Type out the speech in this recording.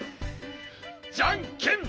じゃんけんぽい！